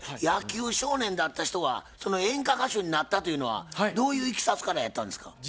野球少年だった人がその演歌歌手になったというのはどういういきさつからやったんですか？